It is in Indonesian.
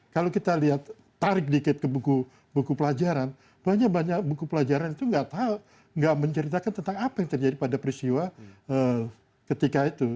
kalau kita lihat tarik dikit ke buku pelajaran banyak banyak buku pelajaran itu nggak tahu nggak menceritakan tentang apa yang terjadi pada peristiwa ketika itu